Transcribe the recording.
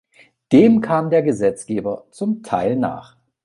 Dem kam der Gesetzgeber zum Teil nach.